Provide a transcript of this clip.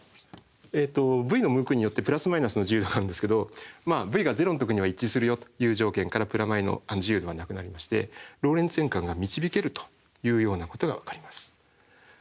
ｖの向きによってプラスマイナスの自由度があるんですけどｖが０の時には一致するよという条件からプラマイの自由度はなくなりましてローレンツ変換が導けるというようなことがわかります。